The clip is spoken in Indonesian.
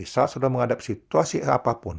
saat saudara menghadapi situasi apapun